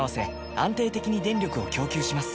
安定的に電力を供給します